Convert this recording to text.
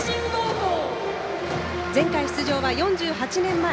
前回出場は４８年前。